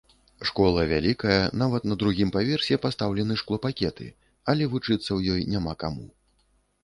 Школа вялікая, нават на другім паверсе пастаўлены шклопакеты, але вучыцца ў ёй няма каму.